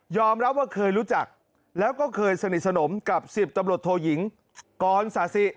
รับว่าเคยรู้จักแล้วก็เคยสนิทสนมกับ๑๐ตำรวจโทยิงกรศาสิ